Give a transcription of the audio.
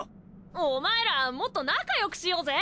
お前らもっと仲よくしよーぜ！